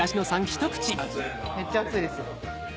めっちゃ熱いですよ。